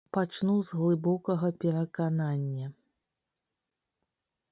Пачну з глыбокага пераканання.